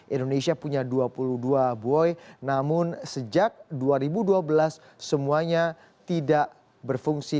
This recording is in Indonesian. indonesia punya dua puluh dua buoy namun sejak dua ribu dua belas semuanya tidak berfungsi